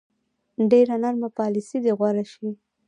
ډېره نرمه پالیسي دې غوره شي.